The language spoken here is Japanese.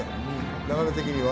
流れ的には。